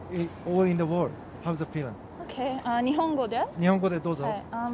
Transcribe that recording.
日本語でどうぞ。